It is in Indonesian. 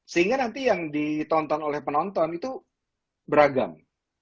sehingga nanti yang ditonton oleh penonton itu beragam